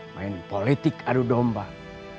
main politik adu dombang